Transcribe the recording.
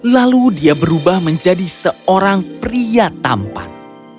lalu dia berubah menjadi seorang pria tampan